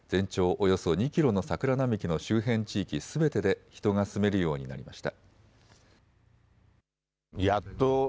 およそ２キロの桜並木の周辺地域すべてで人が住めるようになりました。